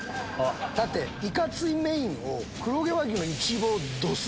だっていかついメインを黒毛和牛のイチボドスン！